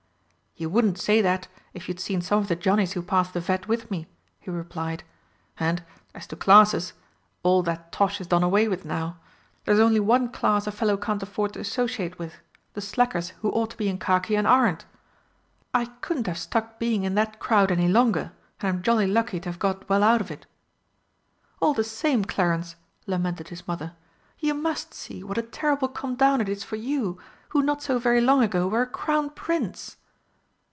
"You wouldn't say that if you'd seen some of the Johnnies who passed the Vet with me," he replied. "And, as to classes, all that tosh is done away with now. There's only one class a fellow can't afford to associate with the slackers who ought to be in khaki and aren't. I couldn't have stuck being in that crowd any longer, and I'm jolly lucky to have got well out of it!" "All the same, Clarence," lamented his Mother, "you must see what a terrible come down it is for you, who not so very long ago were a Crown Prince!"